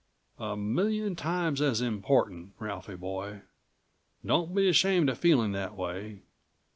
A million times as important, Ralphie boy. Don't be ashamed of feeling that way.